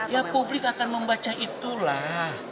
ya publik akan membaca itulah